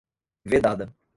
vedada